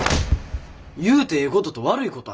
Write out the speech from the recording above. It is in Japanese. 言うてええことと悪いことあるわ。